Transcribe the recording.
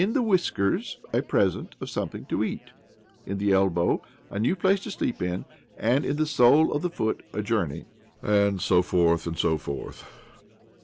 the whiskers, a present of something to eat \ in the elbow, a new place to sleep in ; and in the sole of the foot, a journey. And so forth, and so forth.